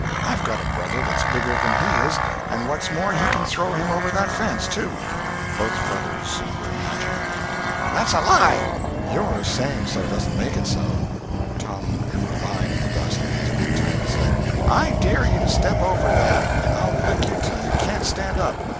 I've got a brother that's bigger than he is—and what's more, he can throw him over that fence, too." [Both brothers were imaginary.] "That's a lie." "Your saying so don't make it so." Tom drew a line in the dust with his big toe, and said: "I dare you to step over that, and I'll lick you till you can't stand up.